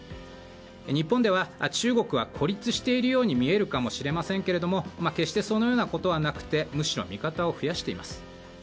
日本では中国は孤立しているように見えるかもしれませんが決してそのようなことはなくてむしろ味方を増やしています。